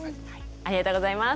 ありがとうございます。